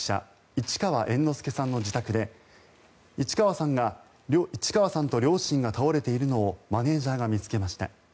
市川猿之助さんの自宅で市川さんと両親が倒れているのをマネジャーが見つけました。